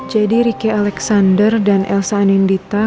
jadi riki alexander dan elsa anindita